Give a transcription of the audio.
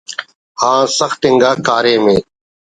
آن سخت انگا کاریم ءِ